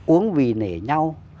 uống vì nể nhau